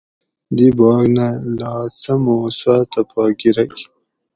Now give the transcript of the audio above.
دی باگ نہ لا سمو سواۤتہ پا گرگ